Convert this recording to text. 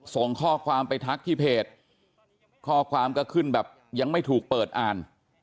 ส่งข้อความไปทักที่เพจข้อความก็ขึ้นแบบยังไม่ถูกเปิดอ่าน